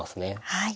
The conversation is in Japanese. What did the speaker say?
はい。